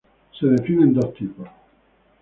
Se definen dos tipos.